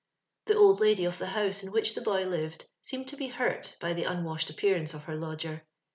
The old lady of the hoose in whidi the boy lived aeemed to be hart 1^ ^^ onwaehed up peaianoe of her lodger.